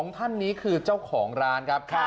ท่านนี้คือเจ้าของร้านครับ